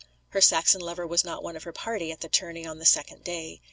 Her Saxon lover was not one of her party at the tourney on the second day.